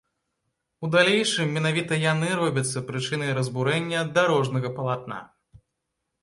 У далейшым менавіта яны робяцца прычынай разбурэння дарожнага палатна.